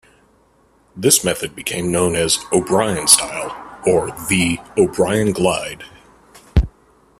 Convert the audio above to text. This method became known as "O'Brien Style" or the "O'Brien Glide.